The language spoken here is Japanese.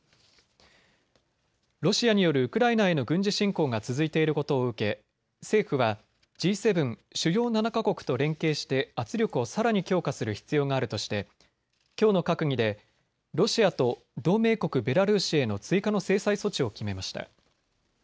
ロシアによるウクライナへの軍事侵攻が続いていることを受け政府はＧ７・主要７か国と連携して圧力をさらに強化する必要があるとしてきょうの閣議でロシアと同盟国ベラルーシへの追加の制裁措置を決めました。